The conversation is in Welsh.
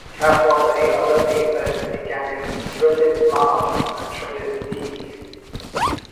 Cafodd ei olynu felly gan ei drydydd mab, y trydydd Dug.